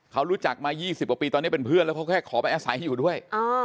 เขารู้จักมา๒๐กว่าปีตอนนี้เป็นเพื่อนแล้วเขาแค่ขอไปอาศัยอยู่ด้วย